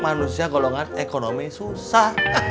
manusia golongan ekonomi susah